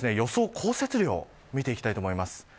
降雪量を見ていきたいと思います。